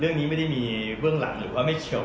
เรื่องนี้ไม่ได้มีเบื้องหลังหรือว่าไม่เฉียว